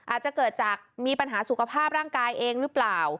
อาจจะเกิดจากมีปัญหาสุขภาพร่างกายเองหรือเปล่า